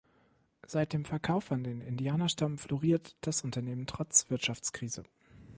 Seit dem Verkauf an den Indianerstamm floriert das Unternehmen trotz Wirtschaftskrise.